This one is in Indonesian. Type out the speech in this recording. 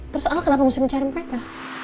terus allah kenapa mesti mencari mereka